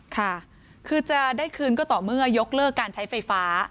ค่ะคือจะได้คืนก็ต่อเมื่อยกเลิกการใช้ไฟฟ้า